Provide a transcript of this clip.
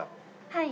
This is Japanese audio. はい。